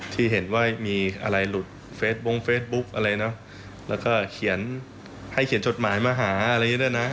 ที่เห็นว่ามีอะไรหลุดเฟสบงเฟซบุ๊กอะไรเนอะแล้วก็เขียนให้เขียนจดหมายมาหาอะไรอย่างนี้ด้วยนะ